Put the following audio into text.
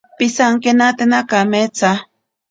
Pisankenate kametsa.